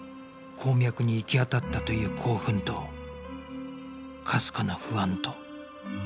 鉱脈に行き当たったという興奮とかすかな不安と